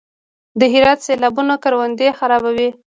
د هرات سیلابونه کروندې خرابوي؟